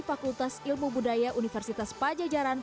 fakultas ilmu budaya universitas pajajaran